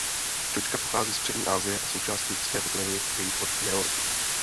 Čočka pochází z Přední Asie a součástí lidské potravy je již od neolitu.